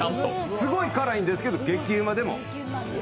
すごい辛いんですけど、激ウマでも。